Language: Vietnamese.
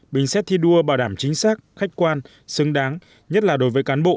bình xét thi đua bảo đảm chính xác khách quan xứng đáng nhất là đối với cán bộ